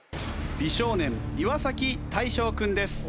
美少年岩大昇君です。